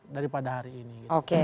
daripada hari ini oke